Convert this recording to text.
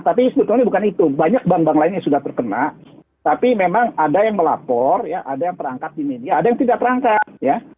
tapi sebetulnya bukan itu banyak bank bank lain yang sudah terkena tapi memang ada yang melapor ya ada yang perangkat di media ada yang tidak perangkat ya